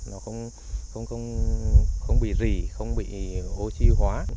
nó không bị rỉ không bị oxy hóa